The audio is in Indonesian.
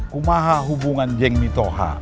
kumaha hubungan jeng mithoha